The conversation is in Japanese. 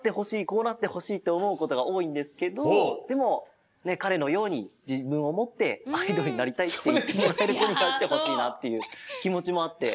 こうなってほしいとおもうことがおおいんですけどでもかれのようにじぶんをもって「アイドルになりたい」っていうきめれるこになってほしいなっていうきもちもあって。